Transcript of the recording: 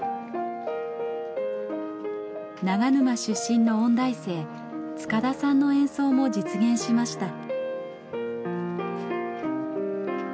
長沼出身の音大生塚田さんの演奏も実現しました。